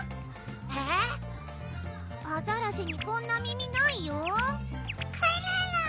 えぇアザラシにこんな耳ないよくるるん！